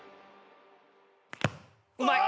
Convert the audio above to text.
うまい。